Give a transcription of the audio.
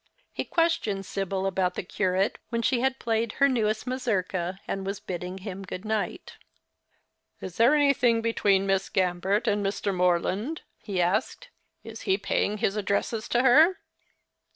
He questioned Sibyl about the curate when she had played her newest mazurka and was bidding him good night. " Is there anything between 3tiss Gambert and Mor land ?" he asked. " Is he paying his addresses to her